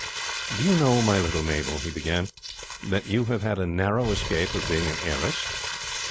"Do you know, my little Mabel," he began, "that you have had a narrow escape of being an heiress?"